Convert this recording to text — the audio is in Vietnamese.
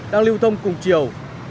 đang lưu thông cùng chiều